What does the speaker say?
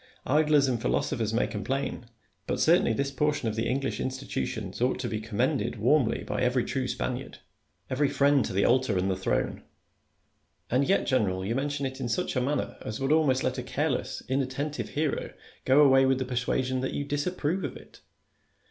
Idlers and philosophers may complain ; but certainly this portion of the English institu tions ougiiL to be coiiiuiuiuled warmly by c\ory true (Spaniard, GENERAL LACY AND CUR A MERINO. 141 every friend to the altar and the throne. And yet, General, you mention it in such a manner as would almost let a careless, inattentive hearer go away with the persuasion that you disapprove of it.